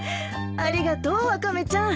ありがとうワカメちゃん。